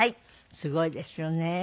すごいですよね。